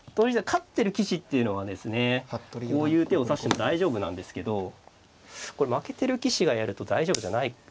勝ってる棋士っていうのはですねこういう手を指しても大丈夫なんですけどこれ負けてる棋士がやると大丈夫じゃないからな。